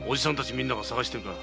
みんなが捜してるから。